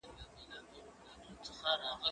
هغه څوک چي مځکه کري حاصل اخلي؟!